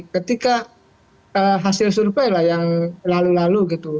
ketika hasil survei lah yang lalu lalu gitu